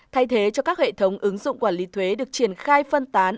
thay thế cho các hệ thống ứng dụng quản lý thuế được triển khai phân tán